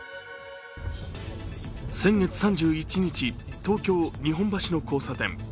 先月３１日、東京・日本橋の交差点。